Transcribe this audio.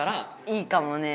いいかもね。